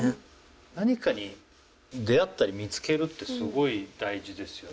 何かに出会ったり見つけるってすごい大事ですよね。